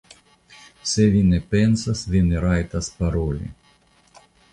Se vi ne pensas, vi ne rajtas paroli.